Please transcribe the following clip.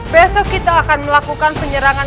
besok kita akan melakukan penyerangan